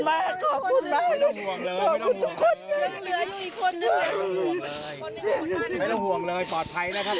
ไม่ต้องห่วงเลยปลอดภัยนะครับ